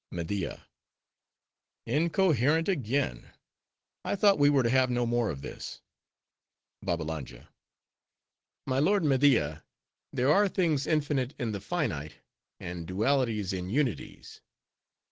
MEDIA—Incoherent again! I thought we were to have no more of this! BABBALANJA—My lord Media, there are things infinite in the finite; and dualities in unities.